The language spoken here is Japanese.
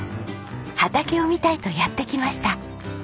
畑を見たいとやって来ました。